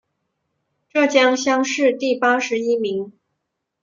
浙江乡试第八十一名。